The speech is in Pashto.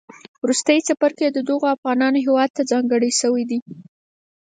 وروستی څپرکی د دغو افغانانو هیواد تهځانګړی شوی دی